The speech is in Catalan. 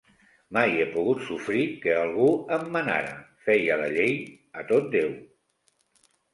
Mai he pogut sofrir que algú em manara: feia la llei a tot Déu.